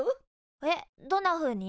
えっどんなふうに？